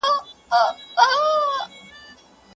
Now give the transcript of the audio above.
اقتصاد پخوا یوازي سوداګري او مالیه څېړله.